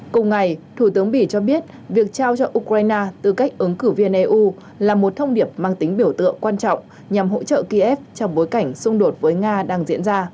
cùng ngày thủ tướng bỉ cho biết việc trao cho ukraine tư cách ứng cử viên eu là một thông điệp mang tính biểu tượng quan trọng nhằm hỗ trợ kiev trong bối cảnh xung đột với nga đang diễn ra